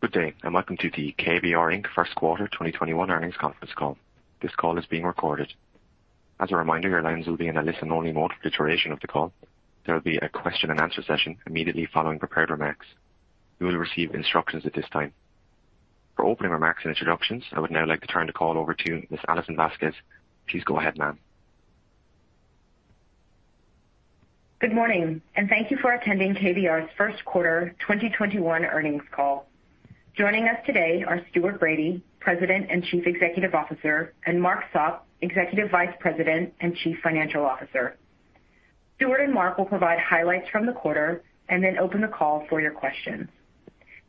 Good day, and welcome to the KBR, Inc. First Quarter 2021 Earnings Conference Call. This call is being recorded. As a reminder, your lines will be in a listen-only mode for the duration of the call. There will be a question and answer session immediately following prepared remarks. You will receive instructions at this time. For opening remarks and introductions, I would now like to turn the call over to Ms. Alison Vasquez. Please go ahead, ma'am. Good morning. Thank you for attending KBR's First Quarter 2021 Earnings Call. Joining us today are Stuart Bradie, President and Chief Executive Officer, and Mark Sopp, Executive Vice President and Chief Financial Officer. Stuart and Mark will provide highlights from the quarter and then open the call for your questions.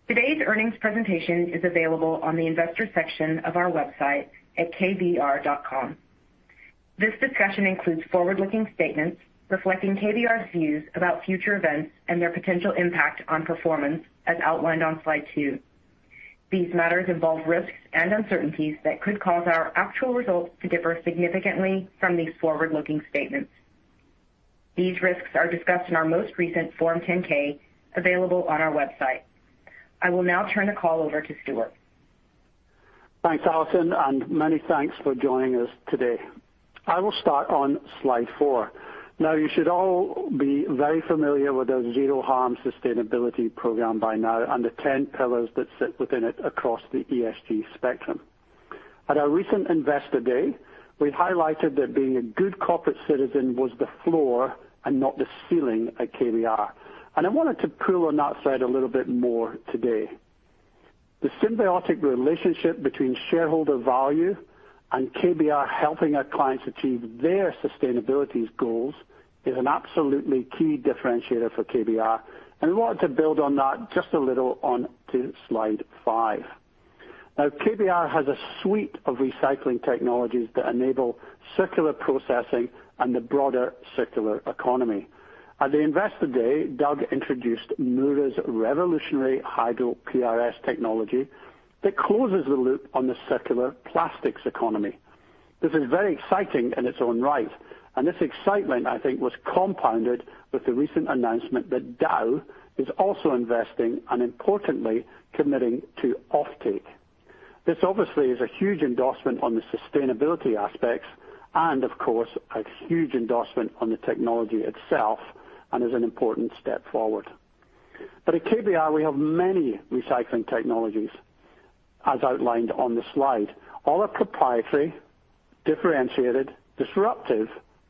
Today's earnings presentation is available on the Investors section of our website at kbr.com. This discussion includes forward-looking statements reflecting KBR's views about future events and their potential impact on performance, as outlined on slide two. These matters involve risks and uncertainties that could cause our actual results to differ significantly from these forward-looking statements. These risks are discussed in our most recent Form 10-K, available on our website. I will now turn the call over to Stuart. Thanks, Alison, and many thanks for joining us today. I will start on slide four. Now, you should all be very familiar with our Zero Harm sustainability program by now and the 10 pillars that sit within it across the ESG spectrum. At our recent Investor Day, we highlighted that being a good corporate citizen was the floor and not the ceiling at KBR, and I wanted to pull on that side a little bit more today. The symbiotic relationship between shareholder value and KBR helping our clients achieve their sustainability goals is an absolutely key differentiator for KBR, and we wanted to build on that just a little on to slide five. Now, KBR has a suite of recycling technologies that enable circular processing and the broader circular economy. At the Investor Day, Dow introduced Mura's revolutionary HydroPRS technology that closes the loop on the circular plastics economy. This is very exciting in its own right, and this excitement, I think, was compounded with the recent announcement that Dow is also investing and importantly committing to offtake. This obviously is a huge endorsement on the sustainability aspects and, of course, a huge endorsement on the technology itself and is an important step forward. At KBR, we have many recycling technologies, as outlined on the slide. All are proprietary, differentiated, disruptive,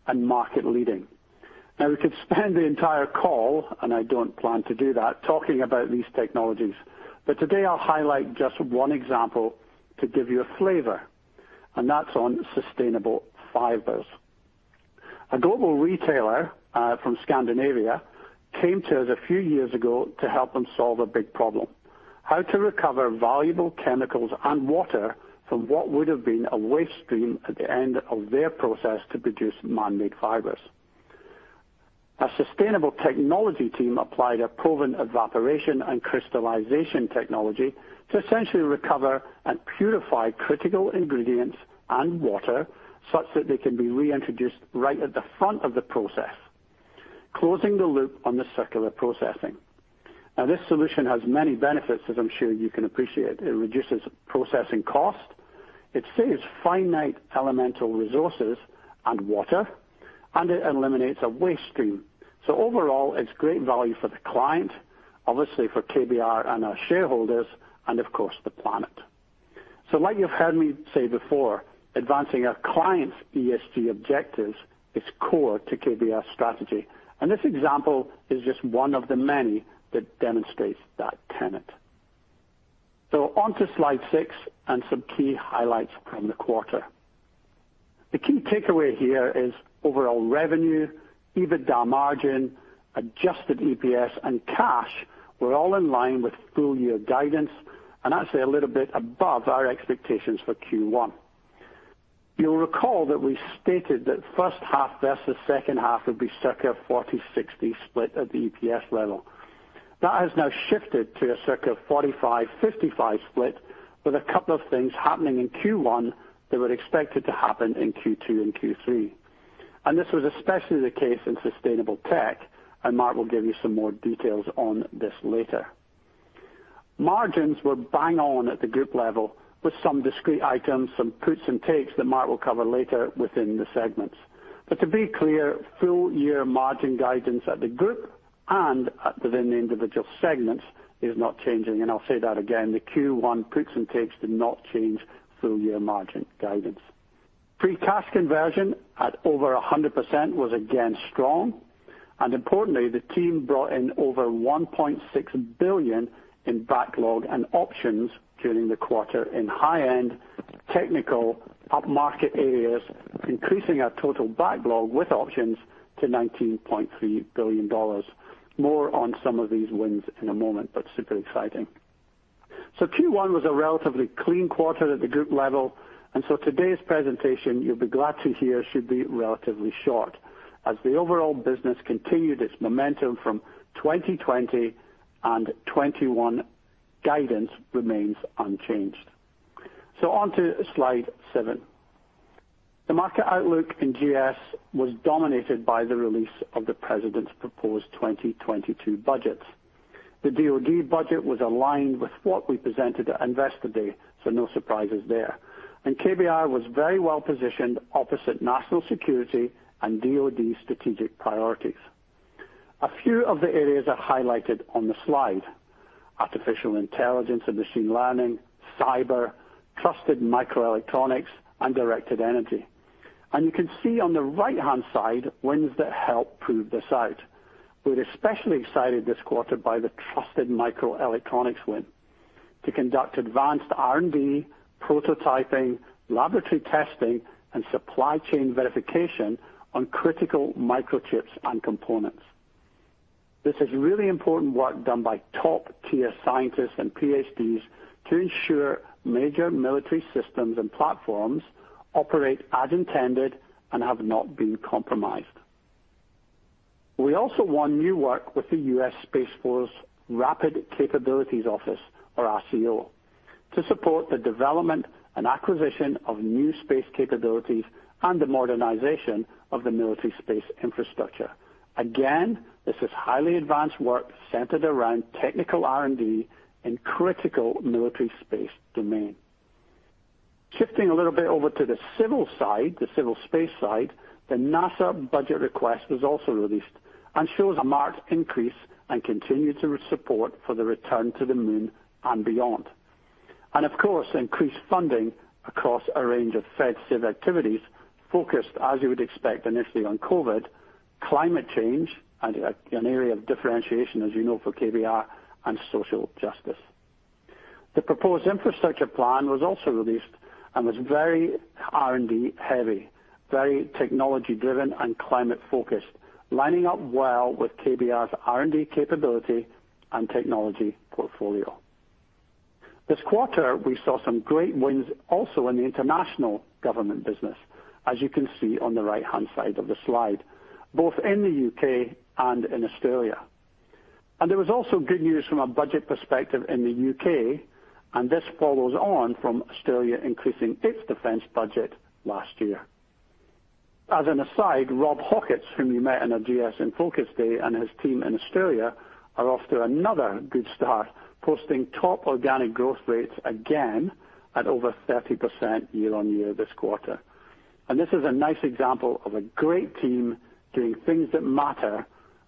and market-leading. Now we could spend the entire call, and I don't plan to do that, talking about these technologies. Today I'll highlight just one example to give you a flavor, and that's on sustainable fibers. A global retailer from Scandinavia came to us a few years ago to help them solve a big problem: how to recover valuable chemicals and water from what would have been a waste stream at the end of their process to produce man-made fibers. Our sustainable technology team applied a proven evaporation and crystallization technology to essentially recover and purify critical ingredients and water such that they can be reintroduced right at the front of the process, closing the loop on the circular processing. This solution has many benefits, as I'm sure you can appreciate. It reduces processing cost, it saves finite elemental resources and water, and it eliminates a waste stream. Overall, it's great value for the client, obviously for KBR and our shareholders, and of course, the planet. Like you've heard me say before, advancing our clients' ESG objectives is core to KBR's strategy. This example is just one of the many that demonstrates that tenet. On to slide six and some key highlights from the quarter. The key takeaway here is overall revenue, EBITDA margin, adjusted EPS, and cash were all in line with full-year guidance and actually a little bit above our expectations for Q1. You'll recall that we stated that first half versus second half would be circa 40-60 split at the EPS level. That has now shifted to a circa 45-55 split with a couple of things happening in Q1 that were expected to happen in Q2 and Q3. This was especially the case in Sustainable Tech, and Mark will give you some more details on this later. Margins were bang on at the group level with some discrete items, some puts and takes that Mark will cover later within the segments. To be clear, full-year margin guidance at the group and within the individual segments is not changing. I'll say that again, the Q1 puts and takes did not change full-year margin guidance. Free cash conversion at over 100% was again strong. Importantly, the team brought in over $1.6 billion in backlog and options during the quarter in high-end technical upmarket areas, increasing our total backlog with options to $19.3 billion. More on some of these wins in a moment, super exciting. Q1 was a relatively clean quarter at the group level, today's presentation, you'll be glad to hear, should be relatively short as the overall business continued its momentum from 2020 and 2021 guidance remains unchanged. On to slide seven. The market outlook in GS was dominated by the release of the President's proposed 2022 budget. The DoD budget was aligned with what we presented at Investor Day, so no surprises there. KBR was very well-positioned opposite national security and DoD strategic priorities. A few of the areas are highlighted on the slide, artificial intelligence and machine learning, cyber, trusted microelectronics, and directed energy. You can see on the right-hand side wins that help prove this out. We're especially excited this quarter by the trusted microelectronics win to conduct advanced R&D, prototyping, laboratory testing, and supply chain verification on critical microchips and components. This is really important work done by top-tier scientists and PhDs to ensure major military systems and platforms operate as intended and have not been compromised. We also won new work with the U.S. Space Force Rapid Capabilities Office, or RCO, to support the development and acquisition of new space capabilities and the modernization of the military space infrastructure. Again, this is highly advanced work centered around technical R&D in critical military space domain. Shifting a little bit over to the civil side, the civil space side, the NASA budget request was also released and shows a marked increase and continued support for the return to the moon and beyond. Of course, increased funding across a range of fed civil activities focused, as you would expect, initially on COVID, climate change, and an area of differentiation, as you know, for KBR, and social justice. The proposed infrastructure plan was also released and was very R&D heavy, very technology-driven, and climate-focused, lining up well with KBR's R&D capability and technology portfolio. This quarter, we saw some great wins also in the international government business, as you can see on the right-hand side of the slide, both in the U.K. and in Australia. There was also good news from a budget perspective in the U.K., and this follows on from Australia increasing its defense budget last year. As an aside, Rob Hawketts, whom you met in our GS in Focus day, and his team in Australia are off to another good start, posting top organic growth rates again at over 30% year-on-year this quarter. This is a nice example of a great team doing things that matter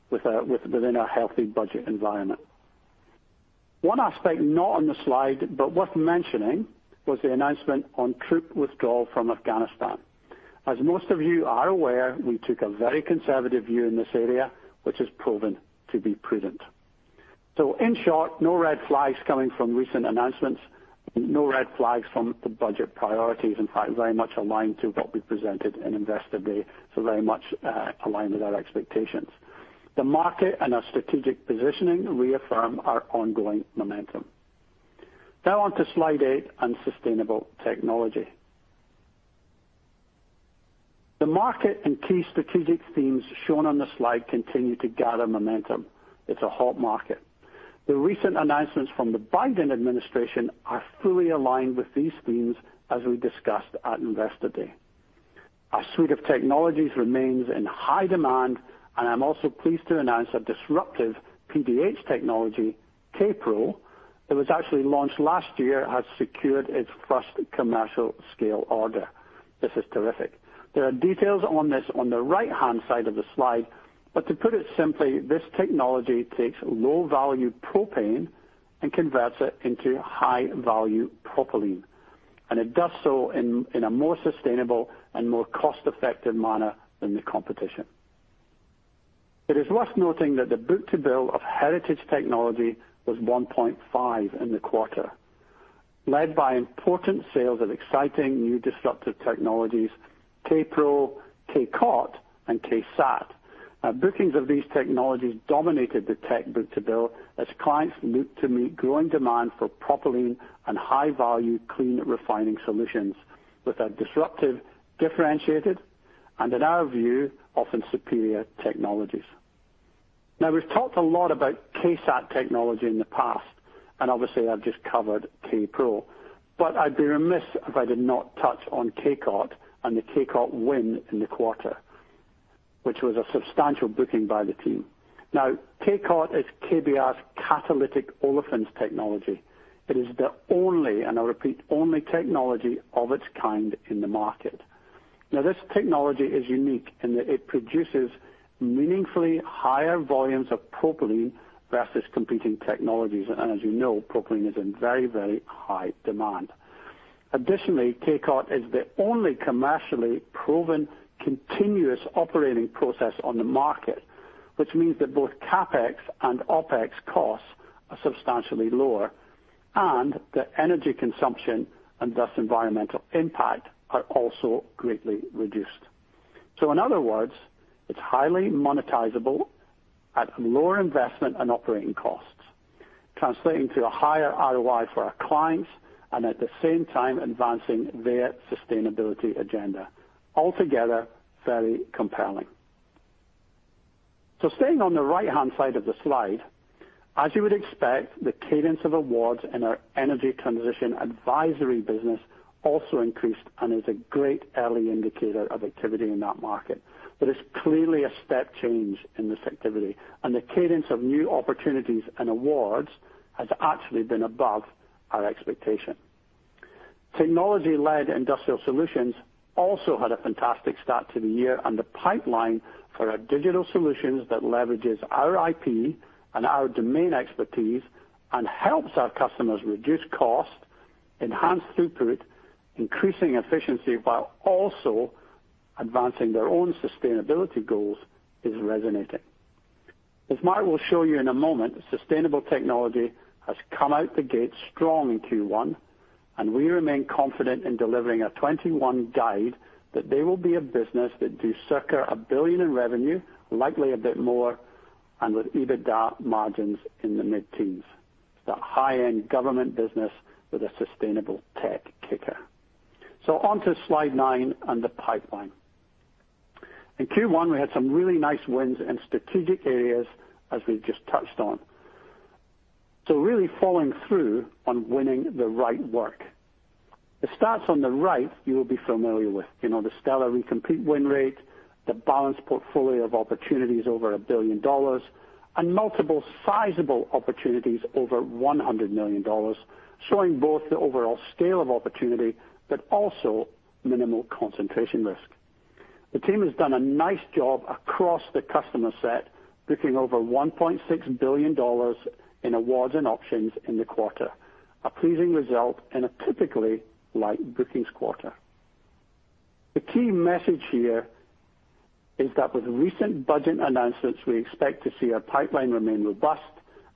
within a healthy budget environment. One aspect not on the slide but worth mentioning was the announcement on troop withdrawal from Afghanistan. As most of you are aware, we took a very conservative view in this area, which has proven to be prudent. In short, no red flags coming from recent announcements, no red flags from the budget priorities, in fact, very much aligned to what we presented in Investor Day, so very much aligned with our expectations. The market and our strategic positioning reaffirm our ongoing momentum. Now on to slide eight on sustainable technology. The market and key strategic themes shown on the slide continue to gather momentum. It's a hot market. The recent announcements from the Biden administration are fully aligned with these themes, as we discussed at Investor Day. Our suite of technologies remains in high demand, and I'm also pleased to announce our disruptive PDH technology, K-PRO, that was actually launched last year, has secured its first commercial scale order. This is terrific. There are details on this on the right-hand side of the slide. To put it simply, this technology takes low-value propane and converts it into high-value propylene, and it does so in a more sustainable and more cost-effective manner than the competition. It is worth noting that the book-to-bill of heritage technology was 1.5 in the quarter, led by important sales of exciting new disruptive technologies, K-PRO, K-COT and K-SAAT. Bookings of these technologies dominated the tech book-to-bill as clients looked to meet growing demand for propylene and high-value clean refining solutions with our disruptive, differentiated, and in our view, often superior technologies. We've talked a lot about K-SAAT technology in the past, and obviously I've just covered K-PRO, but I'd be remiss if I did not touch on K-COT and the K-COT win in the quarter, which was a substantial booking by the team. K-COT is KBR's Catalytic Olefins Technology. It is the only, and I repeat, only technology of its kind in the market. This technology is unique in that it produces meaningfully higher volumes of propylene versus competing technologies. As you know, propylene is in very high demand. Additionally, K-COT is the only commercially proven continuous operating process on the market, which means that both CapEx and OpEx costs are substantially lower and the energy consumption and thus environmental impact are also greatly reduced. In other words, it's highly monetizable at lower investment and operating costs, translating to a higher ROI for our clients and at the same time advancing their sustainability agenda. Altogether, very compelling. Staying on the right-hand side of the slide, as you would expect, the cadence of awards in our energy transition advisory business also increased and is a great early indicator of activity in that market. It's clearly a step change in this activity, and the cadence of new opportunities and awards has actually been above our expectation. Technology-led industrial solutions also had a fantastic start to the year, and the pipeline for our digital solutions that leverages our IP and our domain expertise and helps our customers reduce cost, enhance throughput, increasing efficiency while also advancing their own sustainability goals, is resonating. As Mark will show you in a moment, sustainable technology has come out the gate strong in Q1, and we remain confident in delivering a 2021 guide that they will be a business that do circa $1 billion in revenue, likely a bit more, and with EBITDA margins in the mid-teens. It's that high-end government business with a sustainable tech kicker. On to slide nine and the pipeline. In Q1, we had some really nice wins in strategic areas, as we just touched on. Really following through on winning the right work. The stats on the right, you will be familiar with. The stellar recompete win rate, the balanced portfolio of opportunities over $1 billion, and multiple sizable opportunities over $100 million, showing both the overall scale of opportunity, but also minimal concentration risk. The team has done a nice job across the customer set, booking over $1.6 billion in awards and options in the quarter, a pleasing result in a typically light bookings quarter. The key message here is that with recent budget announcements, we expect to see our pipeline remain robust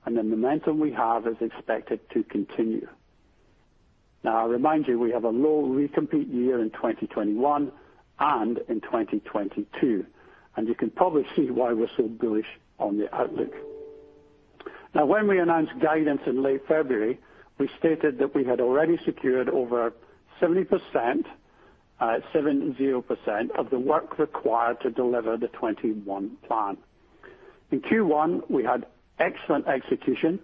and the momentum we have is expected to continue. I remind you, we have a low recompete year in 2021 and in 2022, and you can probably see why we're so bullish on the outlook. When we announced guidance in late February, we stated that we had already secured over 70%, 70%, of the work required to deliver the 2021 plan. In Q1, we had excellent execution,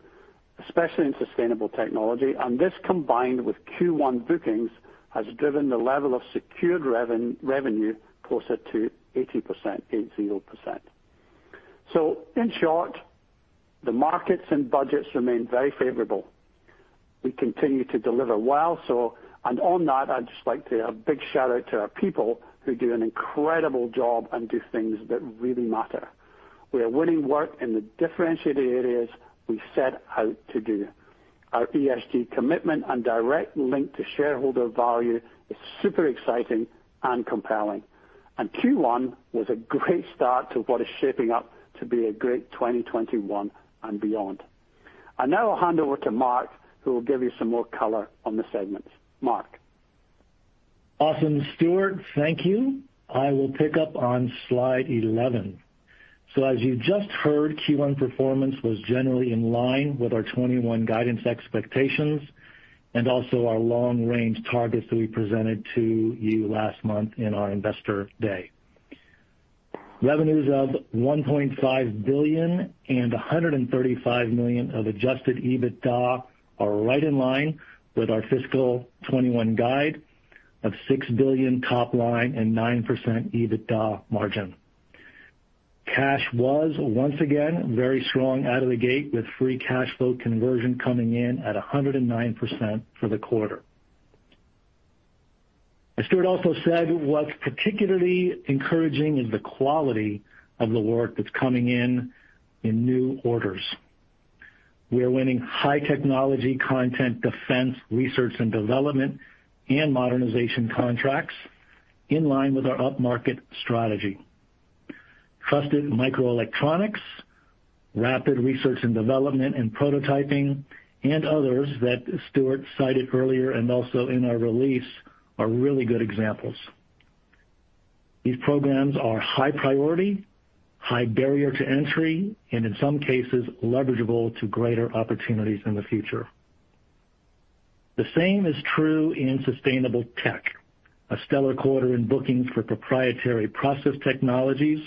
especially in sustainable technology, and this combined with Q1 bookings, has driven the level of secured revenue closer to 80%, 80%. In short, the markets and budgets remain very favorable. We continue to deliver well. On that, I'd just like to a big shout-out to our people who do an incredible job and do things that really matter. We are winning work in the differentiated areas we set out to do. Our ESG commitment and direct link to shareholder value is super exciting and compelling. Q1 was a great start to what is shaping up to be a great 2021 and beyond. I now will hand over to Mark, who will give you some more color on the segments. Mark. Awesome, Stuart. Thank you. I will pick up on slide 11. As you just heard, Q1 performance was generally in line with our 2021 guidance expectations and also our long-range targets that we presented to you last month in our investor day. Revenues of $1.5 billion and $135 million of adjusted EBITDA are right in line with our fiscal 2021 guide of $6 billion top line and 9% EBITDA margin. Cash was, once again, very strong out of the gate with free cash flow conversion coming in at 109% for the quarter. As Stuart also said, what's particularly encouraging is the quality of the work that's coming in in new orders. We are winning high-technology content defense, research and development, and modernization contracts in line with our upmarket strategy. Trusted microelectronics, rapid research and development and prototyping, and others that Stuart cited earlier and also in our release, are really good examples. These programs are high priority, high barrier to entry, and in some cases, leverageable to greater opportunities in the future. The same is true in sustainable tech. A stellar quarter in bookings for proprietary process technologies,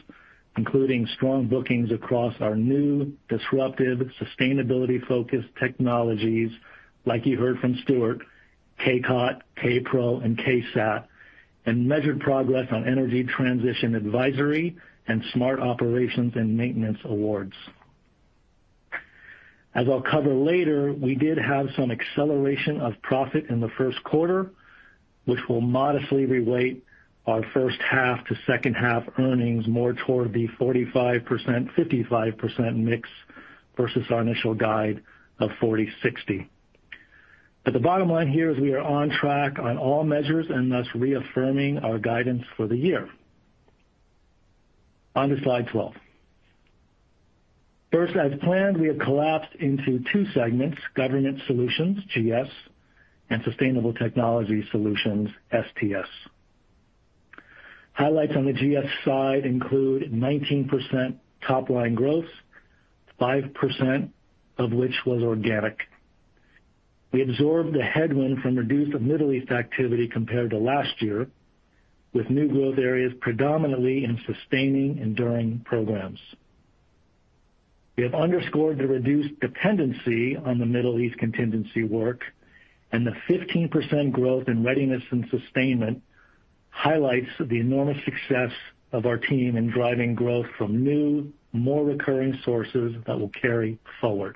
including strong bookings across our new disruptive, sustainability-focused technologies, like you heard from Stuart, K-COT, K-PRO, and K-SAAT, and measured progress on energy transition advisory and smart operations and maintenance awards. As I'll cover later, we did have some acceleration of profit in the first quarter, which will modestly re-weight our first half to second half earnings more toward the 45%/55% mix versus our initial guide of 40/60. The bottom line here is we are on track on all measures and thus reaffirming our guidance for the year. On to slide 12. First, as planned, we have collapsed into two segments, Government Solutions, GS, and Sustainable Technology Solutions, STS. Highlights on the GS side include 19% top-line growth, 5% of which was organic. We absorbed the headwind from reduced Middle East activity compared to last year, with new growth areas predominantly in sustaining enduring programs. We have underscored the reduced dependency on the Middle East contingency work, the 15% growth in Readiness and Sustainment highlights the enormous success of our team in driving growth from new, more recurring sources that will carry forward.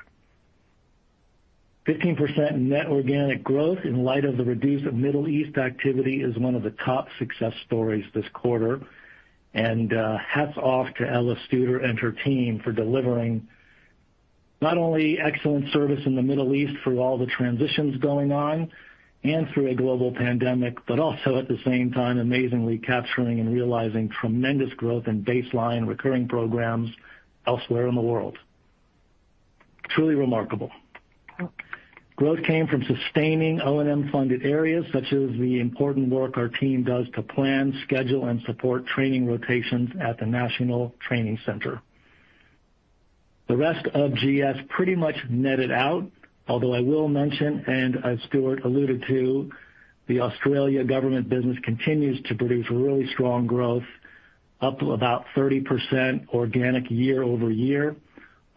15% net organic growth in light of the reduced Middle East activity is one of the top success stories this quarter, and hats off to Ella Studer and her team for delivering not only excellent service in the Middle East through all the transitions going on and through a global pandemic, but also at the same time, amazingly capturing and realizing tremendous growth in baseline recurring programs elsewhere in the world. Truly remarkable. Growth came from sustaining O&M-funded areas, such as the important work our team does to plan, schedule, and support training rotations at the National Training Center. The rest of GS pretty much netted out, although I will mention, and as Stuart alluded to, the Australia government business continues to produce really strong growth, up about 30% organic year-over-year,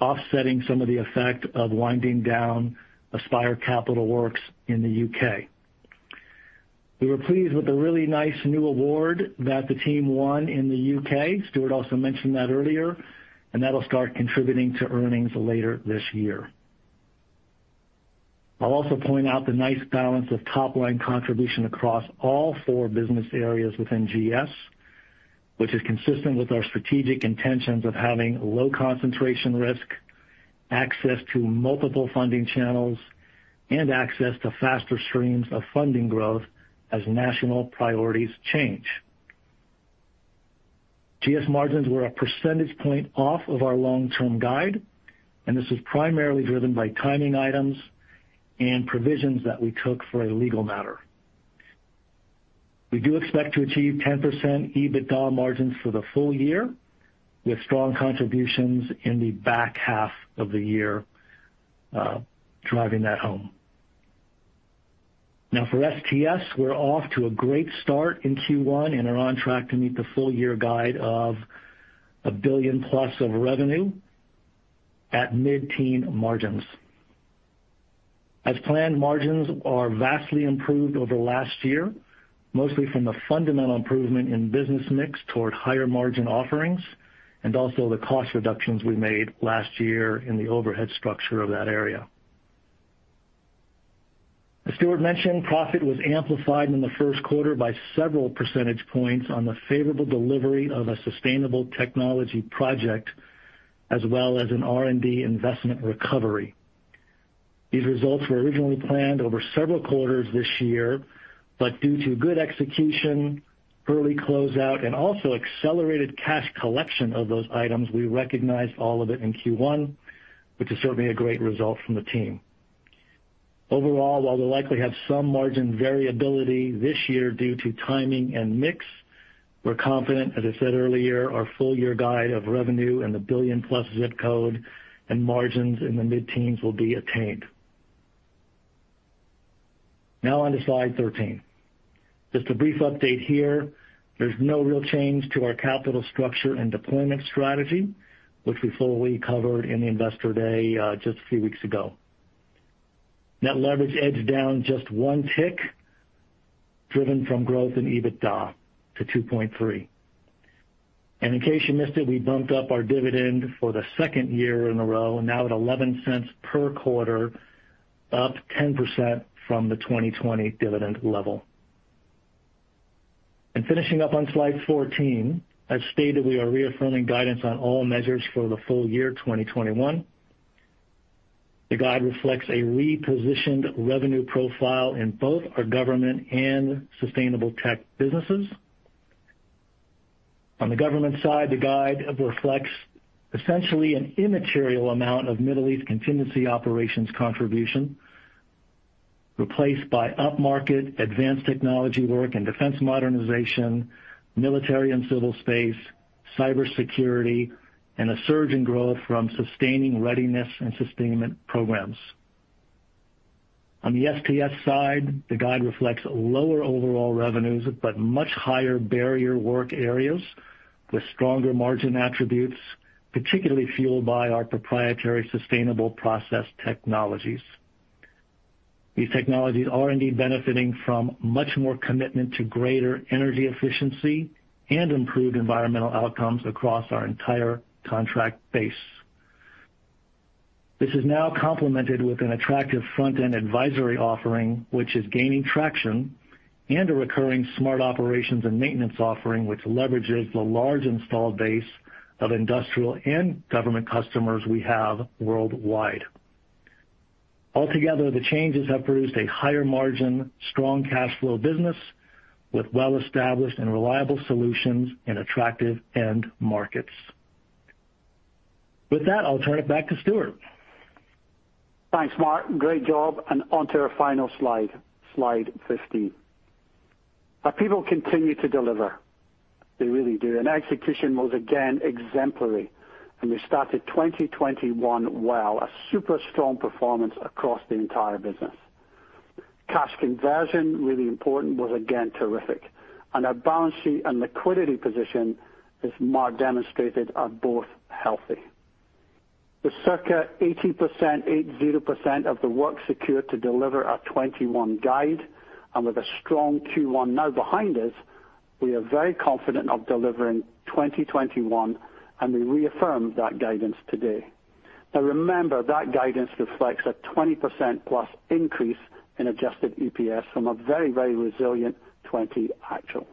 offsetting some of the effect of winding down Aspire Capital Works in the U.K. We were pleased with the really nice new award that the team won in the U.K. Stuart also mentioned that earlier, and that'll start contributing to earnings later this year. I'll also point out the nice balance of top-line contribution across all four business areas within GS, which is consistent with our strategic intentions of having low concentration risk, access to multiple funding channels, and access to faster streams of funding growth as national priorities change. GS margins were a percentage point off of our long-term guide, and this is primarily driven by timing items and provisions that we took for a legal matter. We do expect to achieve 10% EBITDA margins for the full year, with strong contributions in the back half of the year driving that home. For STS, we're off to a great start in Q1 and are on track to meet the full-year guide of $1 billion plus of revenue at mid-teen margins. As planned, margins are vastly improved over last year, mostly from the fundamental improvement in business mix toward higher-margin offerings, and also the cost reductions we made last year in the overhead structure of that area. As Stuart mentioned, profit was amplified in the first quarter by several percentage points on the favorable delivery of a sustainable technology project, as well as an R&D investment recovery. These results were originally planned over several quarters this year, but due to good execution, early closeout, and also accelerated cash collection of those items, we recognized all of it in Q1, which is certainly a great result from the team. Overall, while we'll likely have some margin variability this year due to timing and mix, we're confident, as I said earlier, our full-year guide of revenue in the billion-plus zip code and margins in the mid-teens will be attained. On to slide 13. Just a brief update here. There's no real change to our capital structure and deployment strategy, which we fully covered in the Investor Day just a few weeks ago. Net leverage edged down just one tick, driven from growth in EBITDA to 2.3. In case you missed it, we bumped up our dividend for the second year in a row, now at $0.11 per quarter, up 10% from the 2020 dividend level. Finishing up on slide 14, as stated, we are reaffirming guidance on all measures for the full year 2021. The guide reflects a repositioned revenue profile in both our government and sustainable tech businesses. On the government side, the guide reflects essentially an immaterial amount of Middle East contingency operations contribution, replaced by upmarket advanced technology work and defense modernization, military and civil space, cybersecurity, and a surge in growth from sustaining Readiness and Sustainment programs. On the STS side, the guide reflects lower overall revenues, but much higher barrier work areas with stronger margin attributes, particularly fueled by our proprietary sustainable process technologies. These technologies are indeed benefiting from much more commitment to greater energy efficiency and improved environmental outcomes across our entire contract base. This is now complemented with an attractive front-end advisory offering, which is gaining traction, and a recurring smart operations and maintenance offering, which leverages the large installed base of industrial and government customers we have worldwide. Altogether, the changes have produced a higher margin, strong cash flow business with well-established and reliable solutions in attractive end markets. With that, I'll turn it back to Stuart. Thanks, Mark. Great job. Onto our final slide 15. Our people continue to deliver. They really do. Execution was again exemplary, and we started 2021 well. A super strong performance across the entire business. Cash conversion, really important, was again terrific. Our balance sheet and liquidity position, as Mark demonstrated, are both healthy. With circa 80% of the work secure to deliver our 2021 guide and with a strong Q1 now behind us, we are very confident of delivering 2021. We reaffirm that guidance today. Now remember, that guidance reflects a 20%+ increase in adjusted EPS from a very resilient 2020 actual.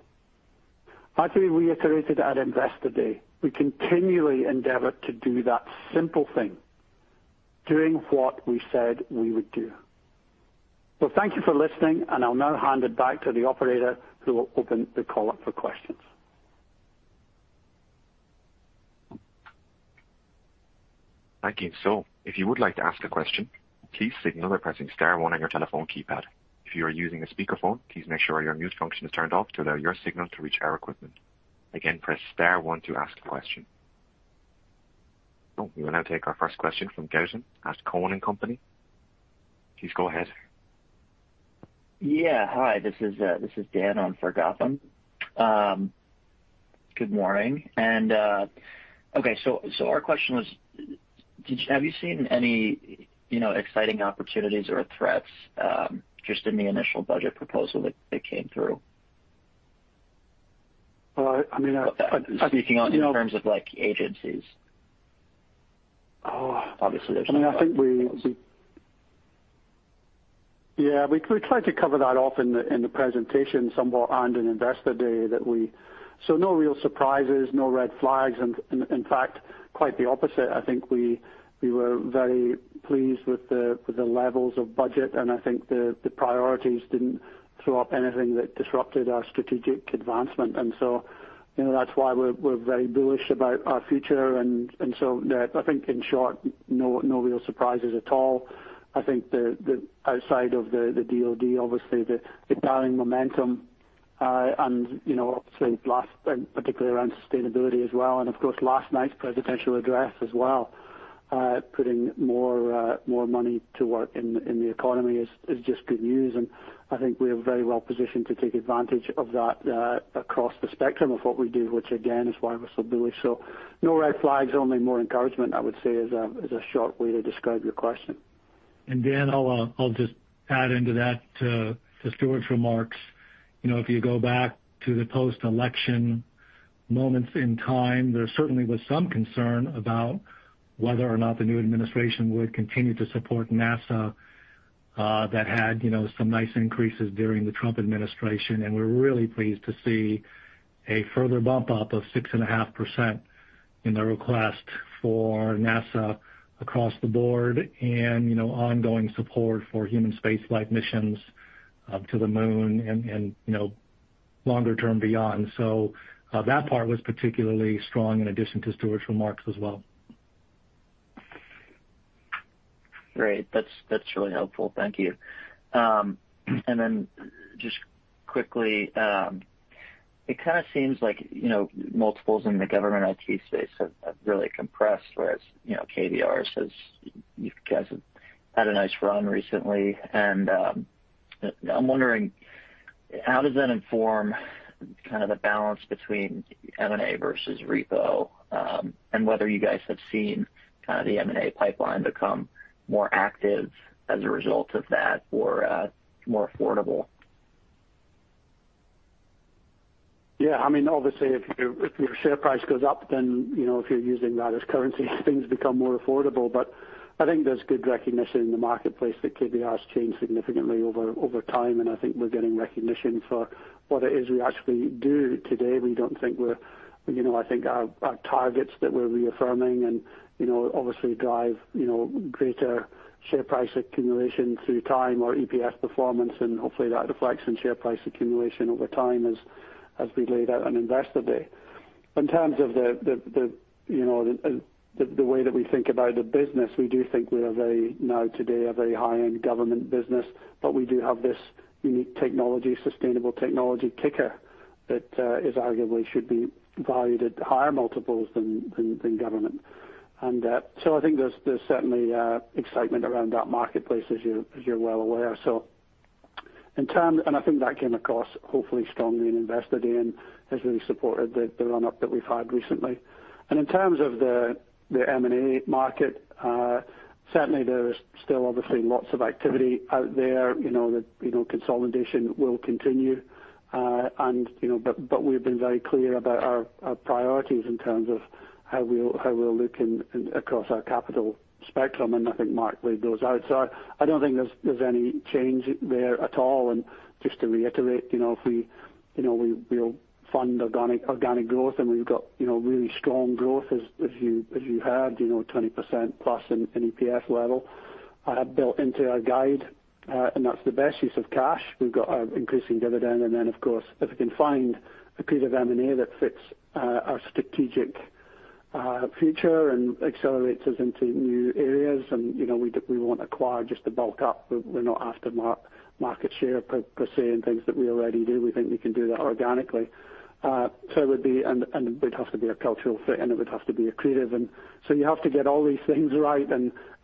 As we reiterated at Investor Day, we continually endeavor to do that simple thing, doing what we said we would do. Thank you for listening, and I'll now hand it back to the operator who will open the call up for questions. Thank you. If you would like to ask a question, please signal by pressing star one on your telephone keypad. If you are using a speakerphone, please make sure your mute function is turned off to allow your signal to reach our equipment. Again, press star one to ask a question. We will now take our first question from Gautam at Cowen and Company. Please go ahead. Yeah. Hi, this is Dan on for Gautam. Good morning. Okay, our question was, have you seen any exciting opportunities or threats just in the initial budget proposal that came through? I mean, Speaking in terms of agencies. Oh. Obviously, I think we, yeah, we tried to cover that off in the presentation somewhat and in Investor Day that we. No real surprises, no red flags, and in fact, quite the opposite. I think we were very pleased with the levels of budget, and I think the priorities didn't throw up anything that disrupted our strategic advancement. That's why we're very bullish about our future. That I think in short, no real surprises at all. I think the outside of the DoD, obviously the dialing momentum, and obviously last, and particularly around sustainability as well, and of course, last night's presidential address as well, putting more money to work in the economy is just good news. I think we're very well positioned to take advantage of that across the spectrum of what we do, which again, is why we're so bullish. No red flags, only more encouragement, I would say is a short way to describe your question. Dan, I'll just add into that to Stuart's remarks. If you go back to the post-election moments in time, there certainly was some concern about whether or not the new administration would continue to support NASA, that had some nice increases during the Trump administration. We're really pleased to see a further bump up of 6.5% in the request for NASA across the board and ongoing support for human spaceflight missions to the moon and longer term beyond. That part was particularly strong in addition to Stuart's remarks as well. Great. That is really helpful. Thank you. Just quickly, it kind of seems like multiples in the government IT space have really compressed, whereas KBR you guys have had a nice run recently. I am wondering how does that inform kind of the balance between M&A versus repo, and whether you guys have seen kind of the M&A pipeline become more active as a result of that or more affordable. Yeah, I mean, obviously if your share price goes up, if you're using that as currency things become more affordable. I think there's good recognition in the marketplace that KBR has changed significantly over time, and I think we're getting recognition for what it is we actually do today. I think our targets that we're reaffirming and obviously drive greater share price accumulation through time or EPS performance and hopefully that reflects in share price accumulation over time as we laid out on Investor Day. In terms of the way that we think about the business, we do think we are very, now today, a very high-end government business, we do have this unique technology, sustainable technology kicker that arguably should be valued at higher multiples than government. I think there's certainly excitement around that marketplace as you're well aware. I think that came across hopefully strongly in Investor Day and has really supported the run-up that we've had recently. In terms of the M&A market, certainly there is still obviously lots of activity out there. Consolidation will continue. We've been very clear about our priorities in terms of how we'll look in across our capital spectrum, and I think Mark laid those out. I don't think there's any change there at all. Just to reiterate, we'll fund organic growth, and we've got really strong growth as you heard, 20%+ in EPS level built into our guide. That's the best use of cash. We've got our increasing dividend, and then of course, if we can find a piece of M&A that fits our strategic our future and accelerates us into new areas. We won't acquire just to bulk up. We're not after market share per se in things that we already do. We think we can do that organically. It would have to be a cultural fit, and it would have to be accretive. You have to get all these things right.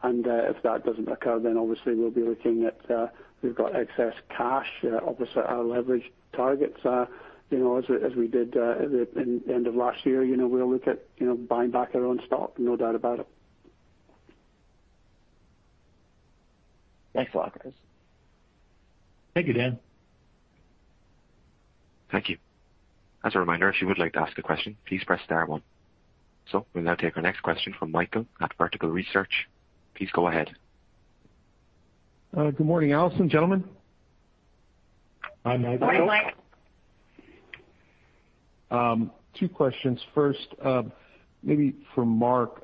If that doesn't occur, then obviously we've got excess cash. Obviously, our leverage targets are, as we did in the end of last year, we'll look at buying back our own stock, no doubt about it. Thanks, a lot. Thank you, Dan. Thank you. As a reminder, if you would like to ask a question, please press star one. We'll now take our next question from Michael at Vertical Research. Please go ahead. Good morning, Alison. Gentlemen. Hi, Michael. Morning, Mike. Two questions. First, maybe for Mark.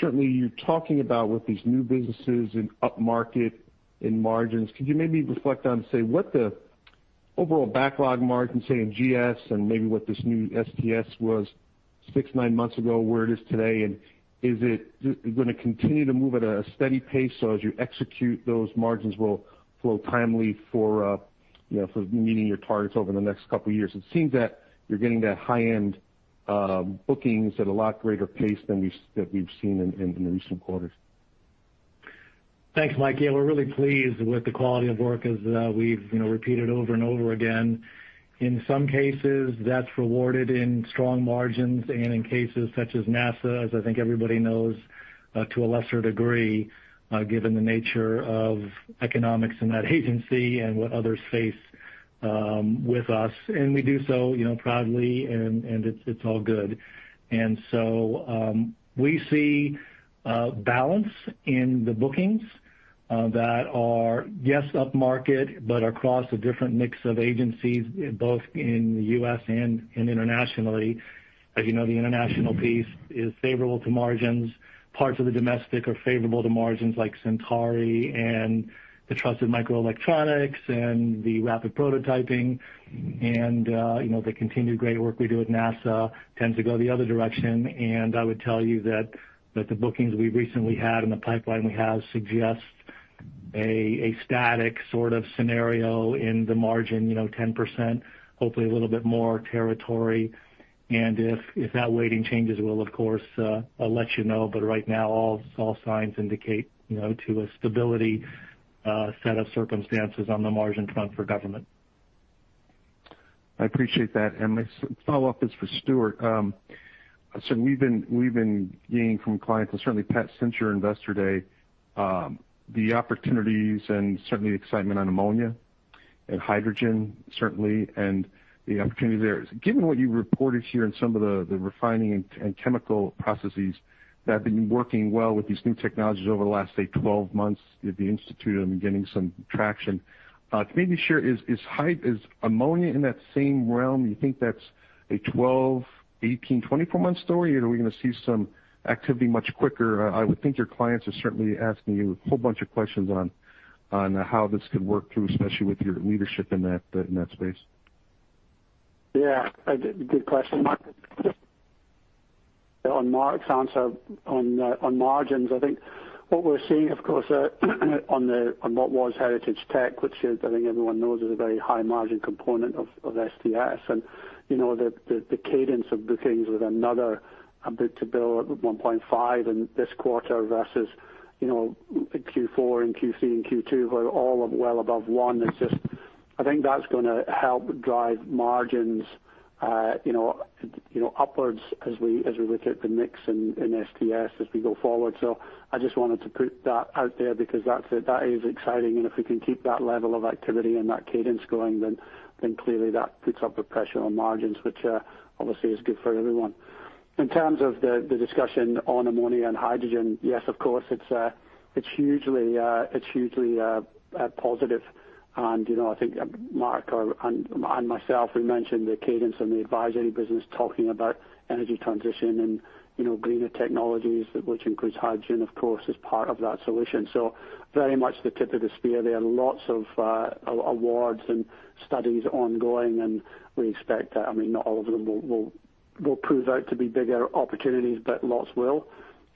Certainly, you're talking about with these new businesses and upmarket in margins. Could you maybe reflect on, say, what the overall backlog margin, say, in GS and maybe what this new STS was six, nine months ago, where it is today, and is it going to continue to move at a steady pace, so as you execute, those margins will flow timely for meeting your targets over the next couple of years? It seems that you're getting that high-end bookings at a lot greater pace than we've seen in the recent quarters. Thanks, Michael. Yeah, we're really pleased with the quality of work as we've repeated over and over again. In some cases, that's rewarded in strong margins and in cases such as NASA, as I think everybody knows, to a lesser degree given the nature of economics in that agency and what others face with us, and we do so proudly, and it's all good. We see a balance in the bookings that are, yes, upmarket, but across a different mix of agencies, both in the U.S. and internationally. As you know, the international piece is favorable to margins. Parts of the domestic are favorable to margins like Centauri and the trusted microelectronics and the rapid prototyping. The continued great work we do at NASA tends to go the other direction. I would tell you that the bookings we've recently had and the pipeline we have suggest a static sort of scenario in the margin, 10%, hopefully a little bit more territory. If that weighting changes, we'll of course let you know. Right now, all signs indicate to a stability set of circumstances on the margin front for government. I appreciate that. My follow-up is for Stuart. We've been hearing from clients, and certainly, perhaps, since your Investor Day the opportunities and certainly the excitement on ammonia and hydrogen, certainly, and the opportunities there. Given what you reported here in some of the refining and chemical processes that have been working well with these new technologies over the last, say, 12 months that you've instituted and been getting some traction. Can you maybe share, is ammonia in that same realm? Do you think that's a 12, 18, 24 month story, or are we going to see some activity much quicker? I would think your clients are certainly asking you a whole bunch of questions on how this could work too, especially with your leadership in that space. Yeah. Good question, Mike. On Mark's answer on margins, I think what we're seeing, of course, on what was heritage tech, which is I think everyone knows is a very high-margin component of STS. The cadence of bookings with another book-to-bill of 1.5 in this quarter versus Q4 and Q3 and Q2 were all well above one. I think that's going to help drive margins upwards as we look at the mix in STS as we go forward. I just wanted to put that out there because that is exciting, and if we can keep that level of activity and that cadence going, then clearly that puts upward pressure on margins, which obviously is good for everyone. In terms of the discussion on ammonia and hydrogen, yes, of course, it's hugely positive. I think Mark and myself, we mentioned the cadence and the advisory business talking about energy transition and greener technologies, which includes hydrogen, of course, as part of that solution. Very much the tip of the spear. There are lots of awards and studies ongoing, and we expect that. Not all of them will prove out to be bigger opportunities, but lots will.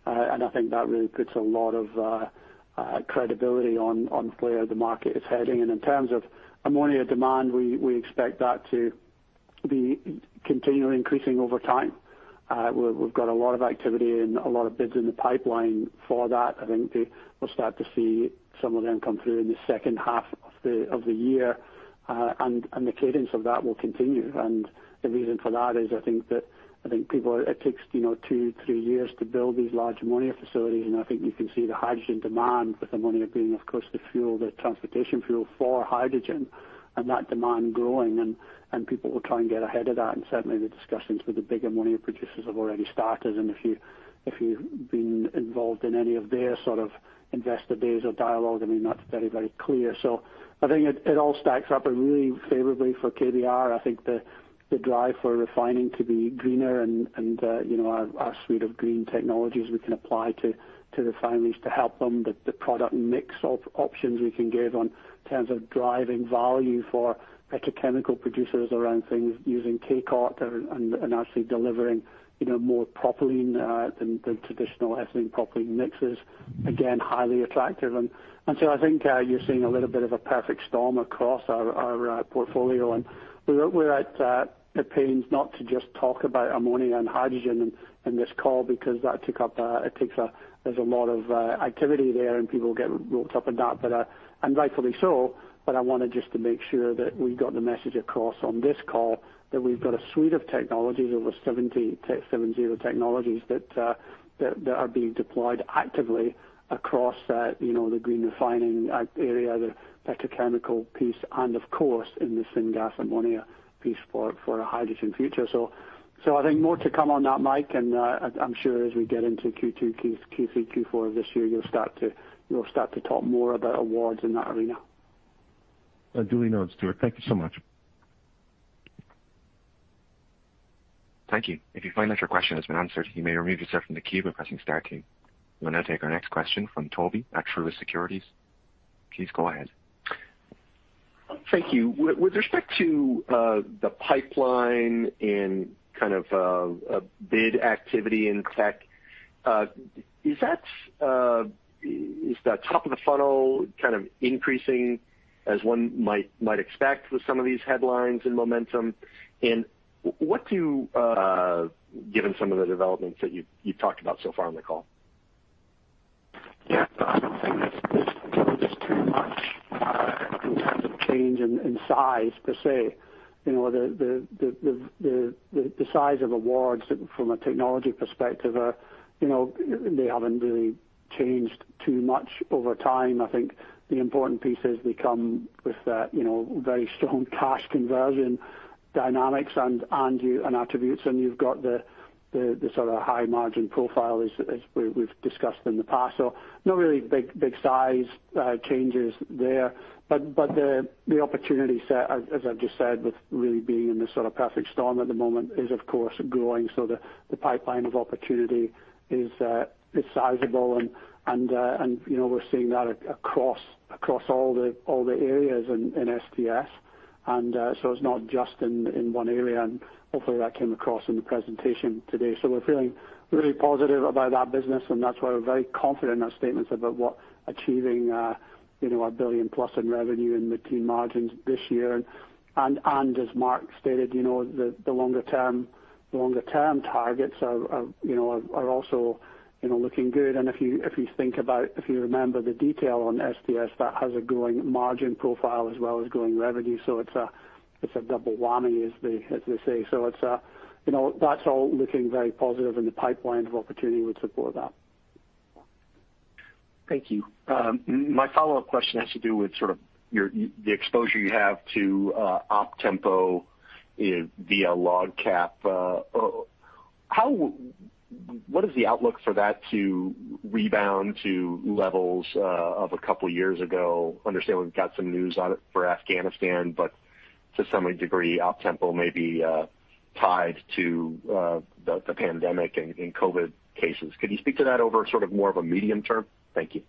I think that really puts a lot of credibility on where the market is heading. In terms of ammonia demand, we expect that to be continually increasing over time. We've got a lot of activity and a lot of bids in the pipeline for that. I think we'll start to see some of them come through in the second half of the year, and the cadence of that will continue. The reason for that is, I think it takes two, three years to build these large ammonia facilities, and I think you can see the hydrogen demand with ammonia being, of course, the transportation fuel for hydrogen, and that demand growing, and people will try and get ahead of that. Certainly the discussions with the bigger ammonia producers have already started. If you've been involved in any of their investor days or dialogue, that's very, very clear. I think it all stacks up really favorably for KBR. I think the drive for refining to be greener and our suite of green technologies we can apply to refineries to help them. The product mix of options we can give in terms of driving value for petrochemical producers around things using K-COT and actually delivering more propylene than traditional ethylene propylene mixes. Again, highly attractive. I think you're seeing a little bit of a perfect storm across our portfolio. We're at pains not to just talk about ammonia and hydrogen in this call because there's a lot of activity there, and people get roped up in that, and rightfully so. I wanted just to make sure that we got the message across on this call that we've got a suite of technologies, over 70 technologies that are being deployed actively across the green refining area, the petrochemical piece, and of course, in the syngas ammonia piece for a hydrogen future. I think more to come on that, Mike, and I'm sure as we get into Q2, Q3, Q4 of this year, you'll start to talk more about awards in that arena. Duly noted, Stuart. Thank you so much. Thank you. We'll now take our next question from Tobey at Truist Securities. Please go ahead. Thank you. With respect to the pipeline and bid activity in tech, is the top of the funnel increasing as one might expect with some of these headlines and momentum? Given some of the developments that you've talked about so far on the call. I don't think that's telling us too much in terms of change in size per se. The size of awards from a technology perspective, they haven't really changed too much over time. I think the important piece is they come with very strong cash conversion dynamics and attributes. You've got the high margin profile as we've discussed in the past. Not really big size changes there. The opportunity set, as I've just said, with really being in this perfect storm at the moment is, of course, growing. The pipeline of opportunity is sizable, and we're seeing that across all the areas in STS. It's not just in one area, and hopefully that came across in the presentation today. We're feeling really positive about that business, and that's why we're very confident in our statements about achieving $1 billion plus in revenue in mid-teen margins this year. As Mark stated, the longer-term targets are also looking good. If you remember the detail on STS, that has a growing margin profile as well as growing revenue. It's a double whammy as they say. That's all looking very positive, and the pipeline of opportunity would support that. Thank you. My follow-up question has to do with the exposure you have to OPTEMPO via LOGCAP. What is the outlook for that to rebound to levels of a couple of years ago? Understand we've got some news out for Afghanistan, to some degree, OPTEMPO may be tied to the pandemic and COVID cases. Could you speak to that over more of a medium term? Thank you.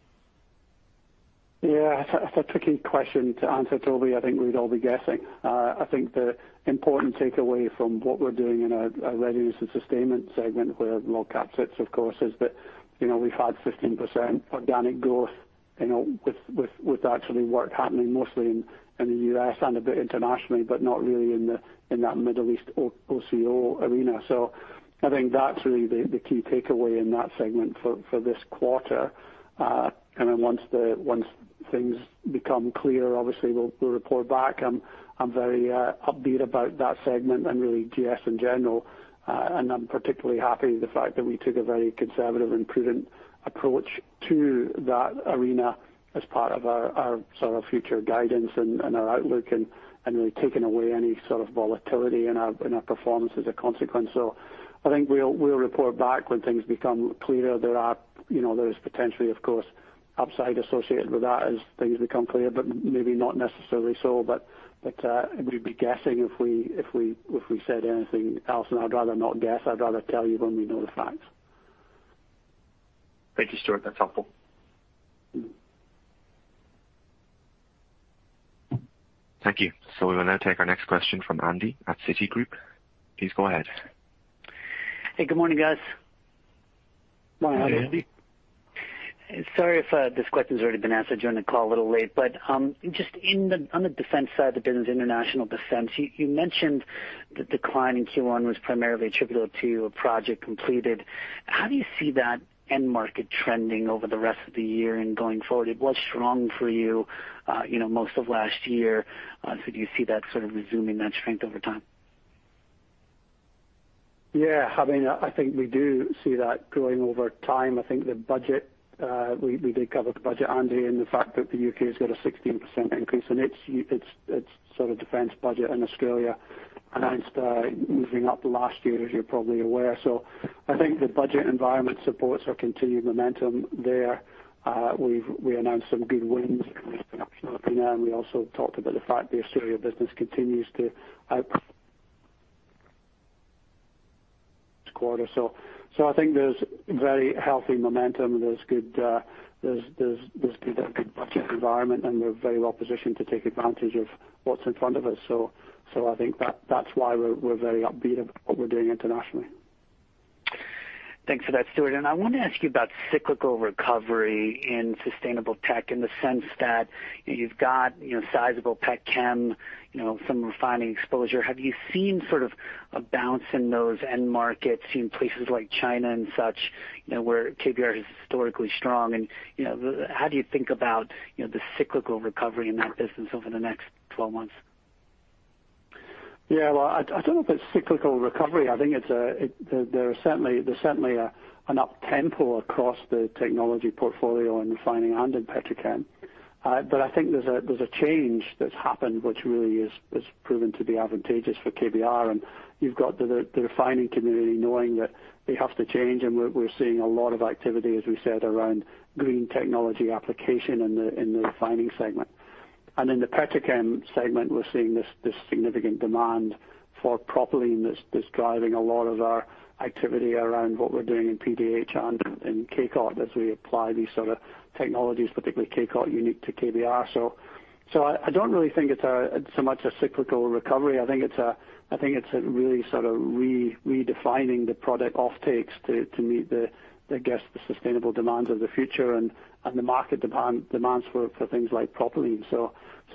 Yeah. It's a tricky question to answer, Tobey. I think we'd all be guessing. I think the important takeaway from what we're doing in our Readiness and sustainment segment, where LOGCAP sits, of course, is that we've had 15% organic growth with actually work happening mostly in the U.S. and a bit internationally, but not really in that Middle East OCO arena. I think that's really the key takeaway in that segment for this quarter. Once things become clear, obviously, we'll report back. I'm very upbeat about that segment and really GS in general. I'm particularly happy with the fact that we took a very conservative and prudent approach to that arena as part of our future guidance and our outlook and really taking away any sort of volatility in our performance as a consequence. I think we'll report back when things become clearer. There is potentially, of course, upside associated with that as things become clearer, but maybe not necessarily so. We'd be guessing if we said anything else, and I'd rather not guess. I'd rather tell you when we know the facts. Thank you, Stuart. That's helpful. Thank you. We will now take our next question from Andy at Citigroup. Please go ahead. Hey, good morning, guys. Morning, Andy. Sorry if this question's already been asked. I joined the call a little late. Just on the defense side of the business, international defense, you mentioned the decline in Q1 was primarily attributable to a project completed. How do you see that end market trending over the rest of the year and going forward? It was strong for you most of last year, do you see that sort of resuming that strength over time? Yeah. I think we do see that growing over time. I think we did cover the budget, Andy, and the fact that the U.K. has got a 16% increase in its sort of defense budget, and Australia announced moving up last year, as you're probably aware. I think the budget environment supports our continued momentum there. We announced some good wins in Oceania, and we also talked about the fact the Australia business continues to out-- this quarter. I think there's very healthy momentum. There's been a good budget environment, and we're very well positioned to take advantage of what's in front of us. I think that's why we're very upbeat about what we're doing internationally. Thanks for that, Stuart. I want to ask you about cyclical recovery in sustainable tech, in the sense that you've got sizable petchem, some refining exposure. Have you seen sort of a bounce in those end markets in places like China and such, where KBR is historically strong? How do you think about the cyclical recovery in that business over the next 12 months? Yeah. Well, I don't know if it's cyclical recovery. I think there's certainly an up tempo across the technology portfolio in refining and in petrochem. I think there's a change that's happened, which really has proven to be advantageous for KBR. You've got the refining community knowing that they have to change, and we're seeing a lot of activity, as we said, around green technology application in the refining segment. In the petrochem segment, we're seeing this significant demand for propylene that's driving a lot of our activity around what we're doing in PDH and in K-COT as we apply these sort of technologies, particularly K-COT unique to KBR. I don't really think it's so much a cyclical recovery. I think it's really sort of redefining the product off takes to meet the sustainable demands of the future and the market demands for things like propylene.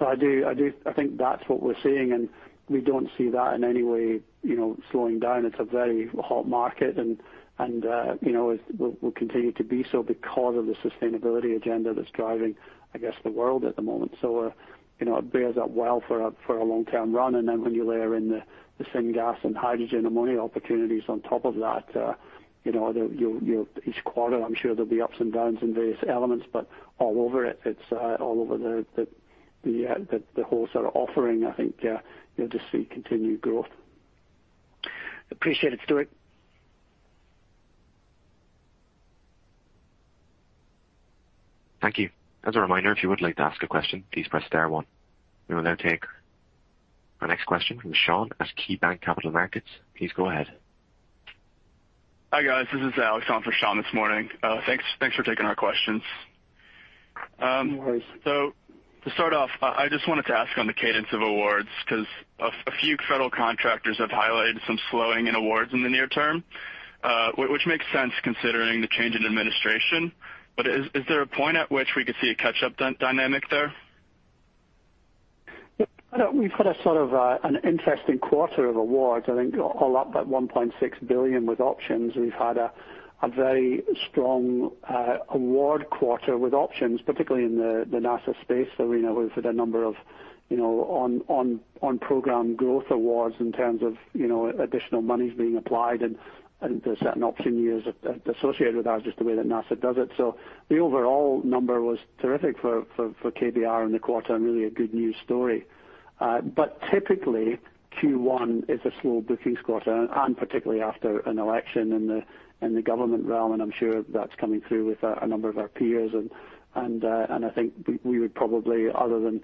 I think that's what we're seeing, and we don't see that in any way slowing down. It's a very hot market and will continue to be so because of the sustainability agenda that's driving the world at the moment. It bears up well for a long-term run, and then when you layer in the syngas and hydrogen ammonia opportunities on top of that, each quarter I'm sure there'll be ups and downs in various elements. All over the whole sort of offering, I think you'll just see continued growth. Appreciate it, Stuart. Thank you. As a reminder, if you would like to ask a question, please press star one. We will now take our next question from Sean at KeyBanc Capital Markets. Please go ahead. Hi, guys. This is Alex on for Sean this morning. Thanks for taking our questions. No worries. To start off, I just wanted to ask on the cadence of awards, because a few federal contractors have highlighted some slowing in awards in the near term, which makes sense considering the change in administration. Is there a point at which we could see a catch-up dynamic there? We've had a sort of an interesting quarter of awards. I think all up at $1.6 billion with options. We've had a very strong award quarter with options, particularly in the NASA space arena. We've had a number of on-program growth awards in terms of additional monies being applied and there's certain option years associated with that, just the way that NASA does it. The overall number was terrific for KBR in the quarter and really a good news story. Typically, Q1 is a slow bookings quarter, and particularly after an election in the government realm, and I'm sure that's coming through with a number of our peers. I think other than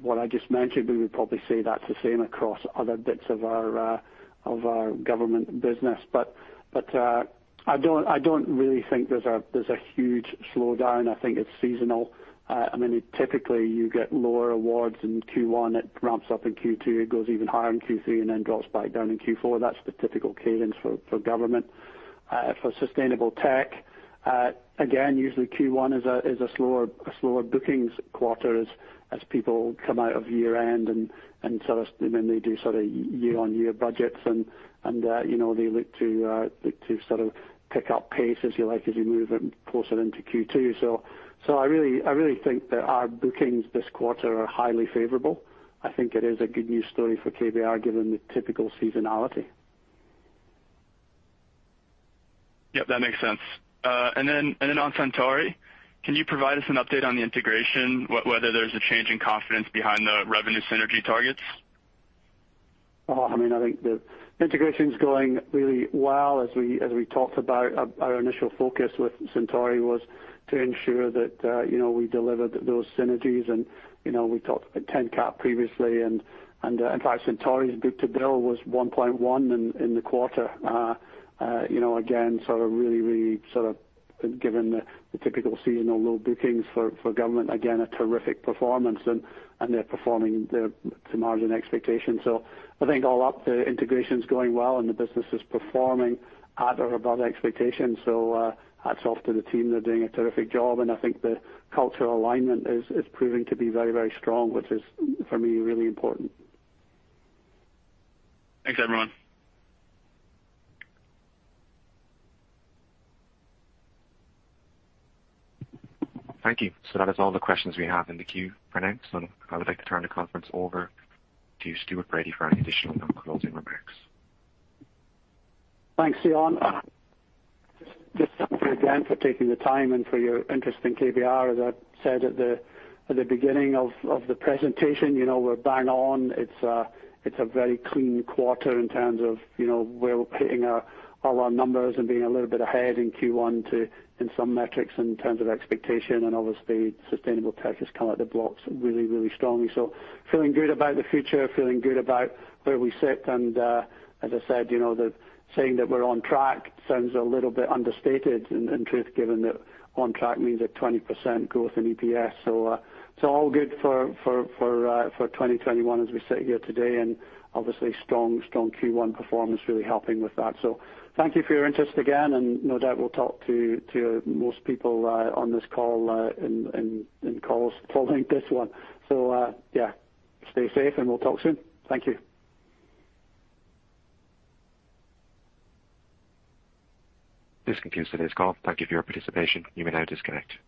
what I just mentioned, we would probably say that's the same across other bits of our government business. I don't really think there's a huge slowdown. I think it's seasonal. Typically, you get lower awards in Q1. It ramps up in Q2. It goes even higher in Q3 and then drops back down in Q4. That's the typical cadence for government. For sustainable tech, again, usually Q1 is a slower bookings quarter as people come out of year-end and they do sort of year-on-year budgets and they look to sort of pick up pace, if you like, as you move closer into Q2. I really think that our bookings this quarter are highly favorable. I think it is a good news story for KBR given the typical seasonality. Yep, that makes sense. On Centauri, can you provide us an update on the integration, whether there's a change in confidence behind the revenue synergy targets? I think the integration's going really well. As we talked about, our initial focus with Centauri was to ensure that we delivered those synergies, we talked about TENCAP previously. In fact, Centauri's book-to-bill was 1.1 in the quarter. Again, really sort of given the typical seasonal low bookings for government, again, a terrific performance, they're performing to margin expectations. I think all up, the integration's going well, the business is performing at or above expectations. Hats off to the team. They're doing a terrific job, I think the cultural alignment is proving to be very strong, which is, for me, really important. Thanks, everyone. Thank you. That is all the questions we have in the queue for now. I would like to turn the conference over to Stuart Bradie for any additional closing remarks. Thanks, Leon. Just thank you again for taking the time and for your interest in KBR. As I said at the beginning of the presentation, we're bang on. It's a very clean quarter in terms of we're hitting all our numbers and being a little bit ahead in Q1 in some metrics in terms of expectation, obviously sustainable tech has come out the blocks really strongly. Feeling good about the future, feeling good about where we sit, and as I said, saying that we're on track sounds a little bit understated, in truth, given that on track means a 20% growth in EPS. All good for 2021 as we sit here today, obviously strong Q1 performance really helping with that. Thank you for your interest again, no doubt we'll talk to most people on this call and in calls following this one. Stay safe, and we'll talk soon. Thank you. This concludes today's call. Thank you for your participation. You may now disconnect.